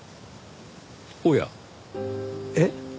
おや。えっ？